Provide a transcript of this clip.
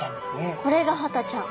これがハタちゃん。